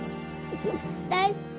大好き。